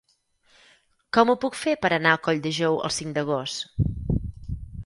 Com ho puc fer per anar a Colldejou el cinc d'agost?